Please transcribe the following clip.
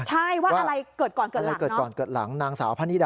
ใช่ว่าอะไรเกิดก่อนเกิดหลัง